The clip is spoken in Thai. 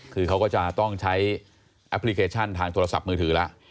คือเขาก็จะต้องใช้แอปพลิเคชันทางโทรศัพท์มือถือแล้ว